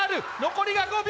残りが５秒。